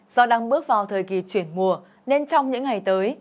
do đang bước vào thời kỳ chuyển mùa nên trong những ngày tới